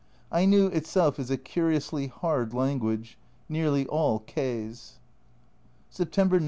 Aino itself is a curiously hard language, nearly all k*s. September 9.